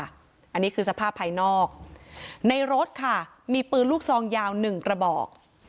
อันนี้คือสภาพภายนอกในรถค่ะมีปืนลูกซองยาวหนึ่งกระบอก